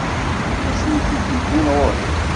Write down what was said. D acu i t-id-iwwin ɣur-i?